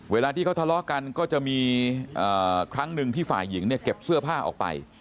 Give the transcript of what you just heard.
เวลาที่เขาทะเลาะกันก็จะมีครั้งหนึ่งที่ฝ่ายหญิงเนี่ยเก็บเสื้อผ้าออกไป